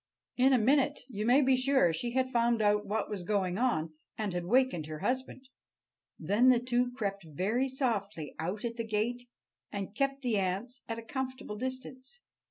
In a minute, you may be sure, she had found out what was going on, and had wakened her husband. Then the two crept very softly out at the gate and kept the ants at a comfortable distance.